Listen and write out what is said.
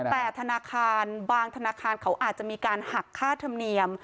แต่ธนาคารบางธนาคารเขาอาจจะมีการหักค่าธรรมเนียม